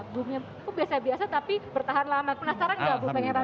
bumnya kok biasa biasa tapi bertahan lama penasaran nggak bu pengen rasa